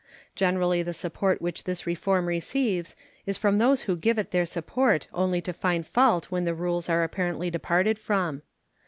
Generally the support which this reform receives is from those who give it their support only to find fault when the rules are apparently departed from.